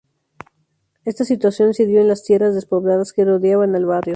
Esta situación se dio en las tierras despobladas que rodeaban al barrio.